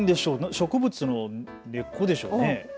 植物の根っこでしょうね。